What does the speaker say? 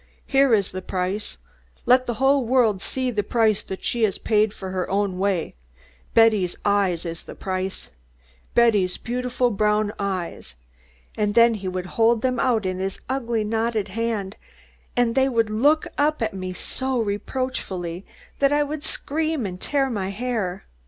Here is the price. Let the whole world see the price that she has paid for her own way, Betty's eyes is the price. Betty's beautiful brown eyes!' And then he would hold them out in his ugly knotted hand, and they would look up at me so reproachfully, that I would scream and tear my hair.